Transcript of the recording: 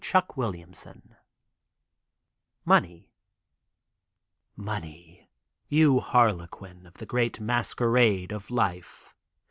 [1051 DAY DREAMS MONEY Money — you Harlequin of the great masquerade of life.